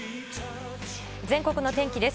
全国の天気です。